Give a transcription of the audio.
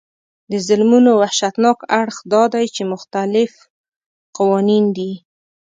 د ظلمونو وحشتناک اړخ دا دی چې مختلف قوانین دي.